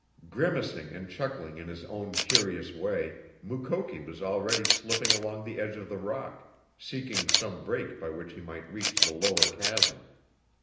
Grimacing and chuckling in his own curious way, Mukoki was already slipping along the edge of the rock, seeking some break by which he might reach the lower chasm.